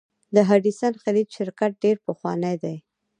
د هډسن خلیج شرکت ډیر پخوانی دی.